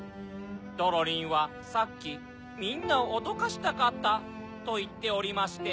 ドロリンはさっき「みんなをおどかしたかった」といっておりまして。